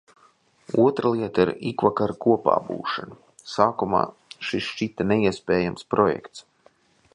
Otra lieta ir ikvakara kopābūšana. Sākumā šis šķita neiespējams projekts.